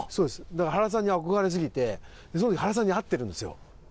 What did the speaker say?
だから原さんに憧れすぎてその時原さんに会ってるんですよ。